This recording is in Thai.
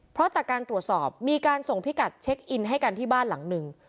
เพราะจากการตรวจสอบมีการส่งพิกัดเช็คอินให้กันที่บ้านหลังหนึ่ง